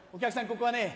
ここはね